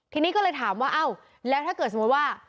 ทีนี้ก็เลยถามว่าเอ้าแล้วถ้าเกิดสมมุติว่า